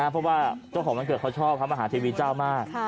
เพราะว่าเจ้าของวันเกิดเขาชอบพระมหาเทวีเจ้ามาก